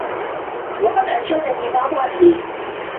وَقَدْ أَنْشَدَنِي بَعْضُ أَهْلِ